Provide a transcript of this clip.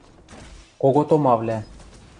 Кого томавлӓ.